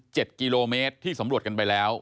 กิโลเมตรที่สำรวจกันไปแล้ว